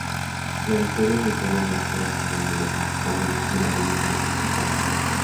La victoria cristiana marcó el final de los musulmanes en la península Itálica.